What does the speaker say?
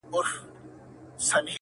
يوه ورځ بيا پوښتنه راپورته کيږي,